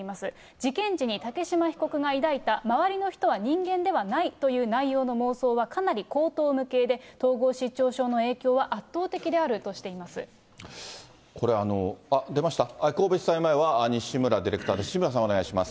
事件時に竹島被告が抱いた、周りの人は人間ではないという内容の妄想はかなり荒唐無稽で、統合失調症の影響は圧倒的であるとしてこれ、出ました、神戸地裁前は西村ディレクターです。